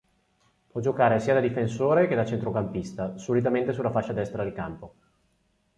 Può giocare sia da difensore che da centrocampista, solitamente sulla fascia destra del campo.